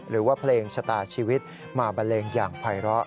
หรือว่าเพลงชะตาชีวิตมาบันเลงอย่างภัยร้อ